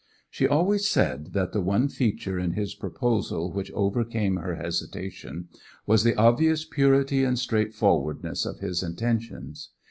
She always said that the one feature in his proposal which overcame her hesitation was the obvious purity and straightforwardness of his intentions.